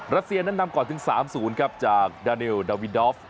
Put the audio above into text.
รัสเซียนั้นนำก่อนถึงสามศูนย์ครับจากดานิลดาวินดอลฟ